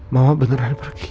mama beneran pergi